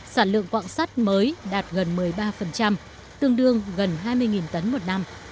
sản lượng quạng sắt mới đạt gần một mươi ba tương đương gần hai mươi tấn một năm